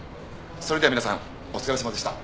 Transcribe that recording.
それでは皆さんお疲れさまでした。